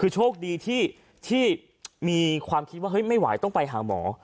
คือโชคดีที่มีความคิดว่าเฮ้ยไม่ไหวต้องไปหาหมอ